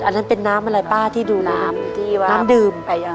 อันนั้นเป็นน้ำอะไรป้าที่ดูน้ำ